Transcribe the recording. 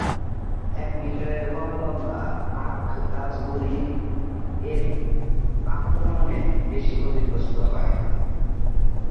এক মিটারের কম লম্বা আখ গাছগুলি এর আক্রমণে বেশি ক্ষতিগ্রস্ত হয়।